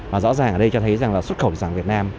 và rõ ràng ở đây cho thấy rằng là xuất khẩu thủy sản việt nam